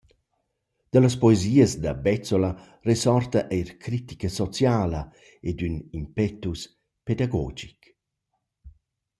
Da las poesias da Bezzola resorta eir critica sociala ed ün impetus pedagogic.